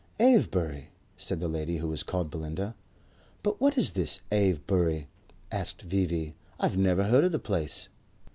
"Avebury?" said the lady who was called Belinda. "But what is this Avebury?" asked V.V. "I've never heard of the place."